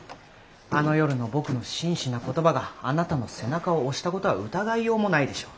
あの夜の僕の真摯な言葉があなたの背中を押したことは疑いようもないでしょう。